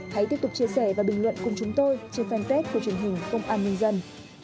hãy tiếp tục chia sẻ và bình luận cùng chúng tôi trên fanpage của truyền hình công an nhân dân